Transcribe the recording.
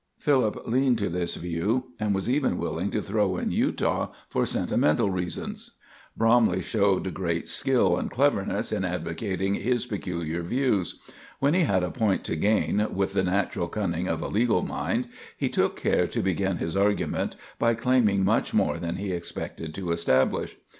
Philip leaned to this view, and was even willing to throw in Utah for sentimental reasons." Bromley showed great skill and cleverness in advocating his peculiar views. When he had a point to gain, with the natural cunning of a legal mind, he took care to begin his argument by claiming much more than he expected to establish.